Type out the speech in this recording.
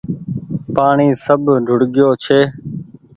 پآڻيٚ سب ڌوڙگيو ڇي